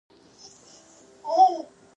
آیا دا ښار له اسیا سره سوداګري نه کوي؟